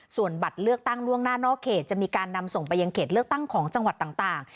ส่วนบัตรเลือกตั้งล่วงหน้านอกเขตจะมีการนำส่งไปยังเขตเลือกตั้งของจังหวัดต่าง